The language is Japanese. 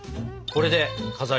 これでさ。